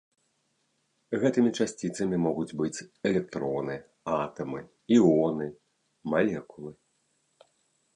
Гэтымі часціцамі могуць быць электроны, атамы, іоны, малекулы.